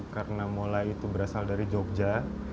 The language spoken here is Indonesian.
karena molai itu berasal dari jogja